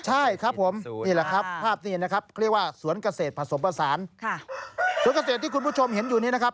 ใช่ครับผมนี่แหละครับภาพนี้นะครับเขาเรียกว่าสวนเกษตรผสมผสานค่ะสวนเกษตรที่คุณผู้ชมเห็นอยู่นี้นะครับ